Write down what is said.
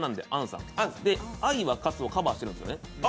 「愛は勝つ」をカバーしてるんですよね。